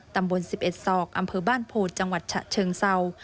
ตำบล๑๑ศอกอำเภอบ้านโพจังหวัดฉะเชิงเศร้า